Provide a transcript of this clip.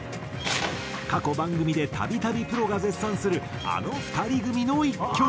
過去番組でたびたびプロが絶賛するあの２人組の１曲。